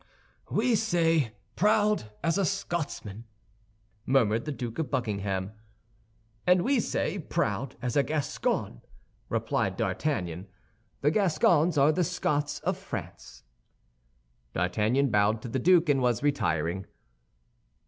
"We say, 'Proud as a Scotsman,'" murmured the Duke of Buckingham. "And we say, 'Proud as a Gascon,'" replied D'Artagnan. "The Gascons are the Scots of France." D'Artagnan bowed to the duke, and was retiring.